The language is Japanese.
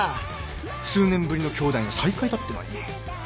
数年ぶりの兄弟の再会だってのに。